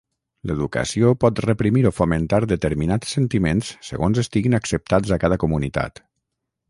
L'educació pot reprimir o fomentar determinats sentiments segons estiguin acceptats a cada comunitat.